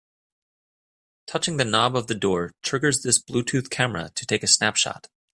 Touching the knob of the door triggers this Bluetooth camera to take a snapshot.